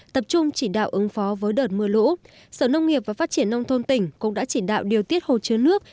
tập trung chỉ đạo ứng phó với đợt mưa lũ sở nông nghiệp và phát triển nông thôn tỉnh cũng đã chỉ đạo điều tiết hồ chứa nước